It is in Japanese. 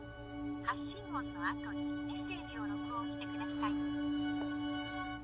発信音の後にメッセージを録音してください。